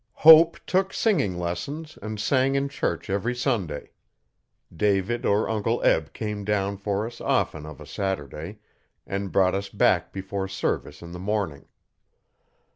Hope took singing lessons and sang in church every Sunday. David or Uncle Eb came down for us often of a Saturday and brought us back before service in the morning.